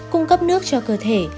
cung cấp nước cho cơ thể